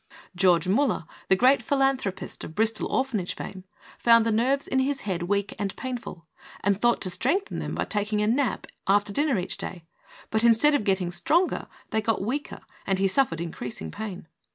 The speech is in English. George Miiller, the great philanthropist of Bristol Orphanage fame, found the nerves of his head weak and painful, and thought to strengthen them by taking a nap after dinner each day, but in stead of getting stronger they got weaker, and he suffered increasing pain.